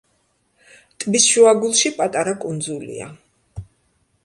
ტბის შუაგულში პატარა კუნძულია.